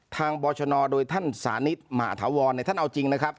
ทางโบรชนัอโดยท่านสานิลมาเหาวอนเนี่ยท่านเอาจริงนะครับ